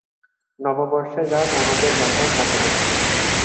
নববর্ষের রাত আমাদের বাসায় কাটাবে সবাই।